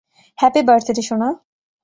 Happy birthday, সোনা!